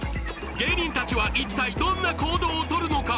芸人達は一体どんな行動をとるのか？